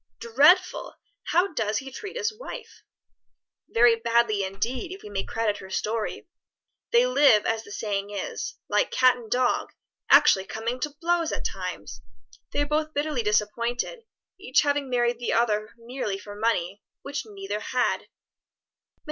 "Dreadful! How does he treat his wife?" "Very badly indeed, if we may credit her story. They live, as the saying is, like cat and dog, actually coming to blows at times. They are both bitterly disappointed, each having married the other merely for money; which neither had." Mr.